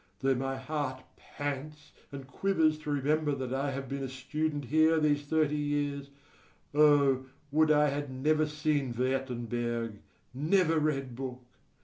Though my heart pants and quivers to remember that I have been a student here these thirty years, O, would I had never seen Wertenberg, never read book!